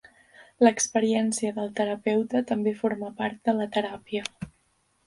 L'experiència del terapeuta també forma part de la teràpia.